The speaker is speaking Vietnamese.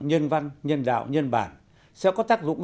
nhân văn nhân đạo nhân bản sẽ có tác dụng